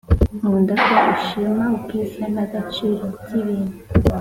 nkunda ko ushima ubwiza nagaciro byibintu